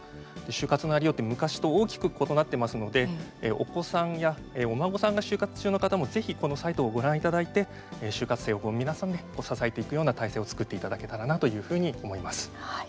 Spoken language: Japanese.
就活のありようって昔と大きく異なってますのでお子さんやお孫さんが就活中の方もぜひこのサイトをご覧いただいて就活生を皆さんで支えていくような態勢を作っていただけたらなというふうに思います。